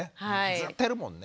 ずっとやるもんね。